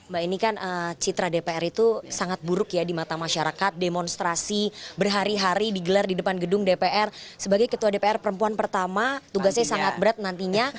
mbak ini kan citra dpr itu sangat buruk ya di mata masyarakat demonstrasi berhari hari digelar di depan gedung dpr sebagai ketua dpr perempuan pertama tugasnya sangat berat nantinya